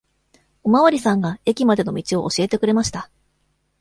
おまわりさんが駅までの道を教えてくれました。